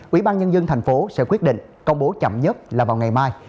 ủy ban nhân dân tp hcm sẽ quyết định công bố chậm nhất là vào ngày mai